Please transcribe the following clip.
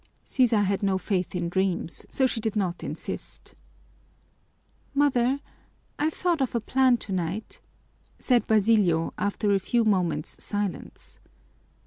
Sisa had no faith in dreams, so she did not insist. "Mother, I've thought of a plan tonight," said Basilio after a few moments' silence.